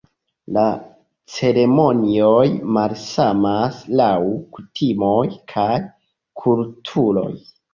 La ceremonioj malsamas laŭ kutimoj kaj kulturoj.